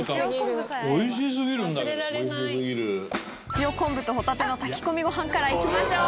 塩昆布とホタテの炊き込みご飯から行きましょう。